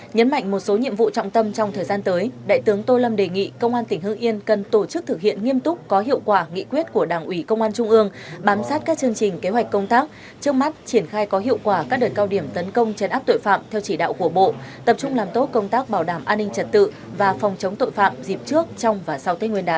nhấn mạnh một số nhiệm vụ trọng tâm trong thời gian tới đại tướng tô lâm đề nghị công an tỉnh hương yên cần tổ chức thực hiện nghiêm túc có hiệu quả nghị quyết của đảng ủy công an trung ương bám sát các chương trình kế hoạch công tác trước mắt triển khai có hiệu quả các đợt cao điểm tấn công chấn áp tội phạm theo chỉ đạo của bộ tập trung làm tốt công tác bảo đảm an ninh trật tự và phòng chống tội phạm dịp trước trong và sau tết nguyên đán